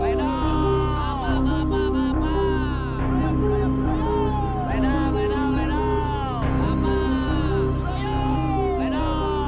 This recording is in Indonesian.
terima kasih juga omso